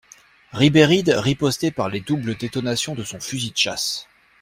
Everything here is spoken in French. Ribéride ripostait par les doubles détonations de son fusil de chasse.